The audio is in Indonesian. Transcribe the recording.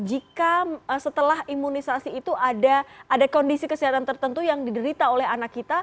jika setelah imunisasi itu ada kondisi kesehatan tertentu yang diderita oleh anak kita